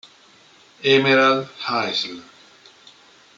Emerald Isle